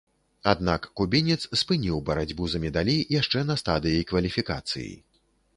Аднак кубінец спыніў барацьбу за медалі яшчэ на стадыі кваліфікацыі.